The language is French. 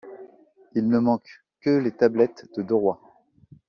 Il ne manque que les tablettes de deux rois.